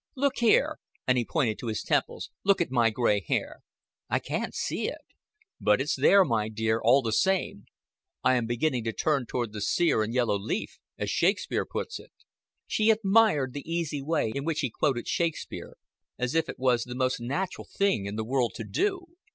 Look here," and he pointed to his temples. "Look at my gray hair." "I can't see it." "But it's there, my dear, all the same. I am beginning to turn toward the sear and yellow leaf, as Shakespeare puts it." She admired the easy way in which he quoted Shakespeare, as if it was the most natural thing in the world to do.